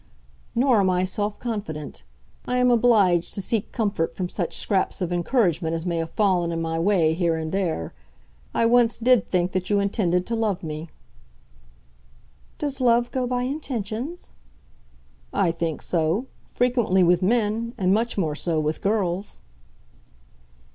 "Nor am I self confident. I am obliged to seek comfort from such scraps of encouragement as may have fallen in my way here and there. I once did think that you intended to love me." "Does love go by intentions?" "I think so, frequently with men, and much more so with girls."